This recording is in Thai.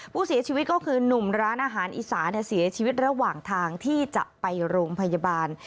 ผู้เสียชีวิตก็คือหนุ่มร้านอาหารอีสานเสียชีวิตระหว่างทางที่จะไปโรงพยาบาล